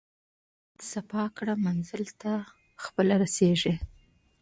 نیت صفاء کړه منزل ته خپله رسېږې.